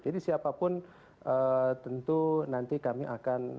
jadi siapapun tentu nanti kami akan mengundurkan